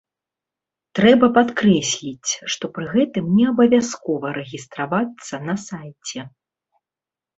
Трэба падкрэсліць, што пры гэтым не абавязкова рэгістравацца на сайце.